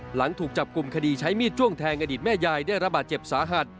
หลังถูกจับกลุ่มคดีใช้มีดจ้วงแทงอดีตแม่ยายได้รับบาดเจ็บสาหัส